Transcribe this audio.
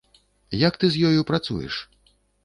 Як ты з ёю працуеш?